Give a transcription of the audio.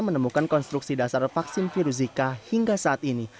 menemukan konstruksi dasar vaksin virus zika hingga saat ini